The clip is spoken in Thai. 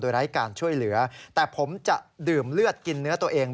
ไร้การช่วยเหลือแต่ผมจะดื่มเลือดกินเนื้อตัวเอง